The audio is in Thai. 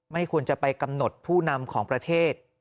ไม่ควรจะไปกำหนดผู้นำของประเทศ